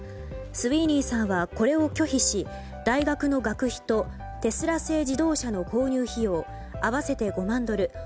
スウィーニーさんはこれを拒否し大学の学費とテスラ製自動車の購入費用合わせて５万ドル